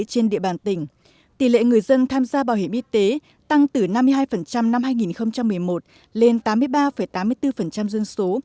trên địa bàn tỉnh tỷ lệ người dân tham gia bảo hiểm y tế tăng từ năm mươi hai năm hai nghìn một mươi một lên tám mươi ba tám mươi bốn dân số